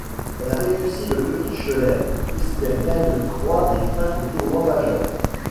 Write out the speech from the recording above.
Elle réussit le Petit Chelem puisqu'elle gagne trois des quatre tournois majeurs.